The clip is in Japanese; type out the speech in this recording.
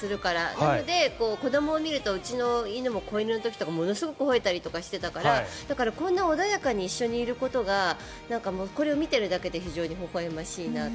なので、子どもを見るとうちの犬も子犬の時ものすごいほえたりしてたからだから、こんなに穏やかに一緒にいることがこれを見てるだけで非常にほほ笑ましいなと。